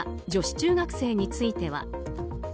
また女子中学生については。